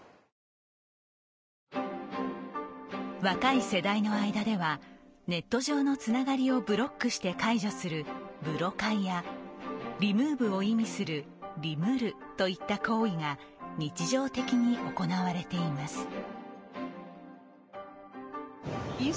若い世代の間ではネット上のつながりをブロックして解除する「ブロ解」やリムーブを意味する「リムる」といった行為が日常的に行われています。